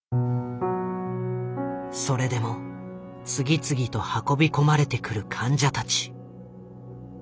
それでも次々と運び込まれてくる患者たち。